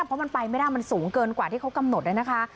เพราะมันไปไม่ได้มันสูงเกินกว่าที่เขากำหนดนะคะ